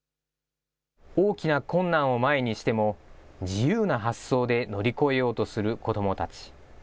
大きな困難を前にしても、自由な発想で乗り越えようとする子どもたち。